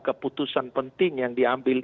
keputusan penting yang diambil